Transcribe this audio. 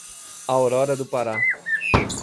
Aurora do Pará